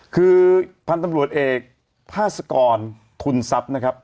คือพันธุ์ตำรวจเอกพาสกรทุนทรัพย์นะครับ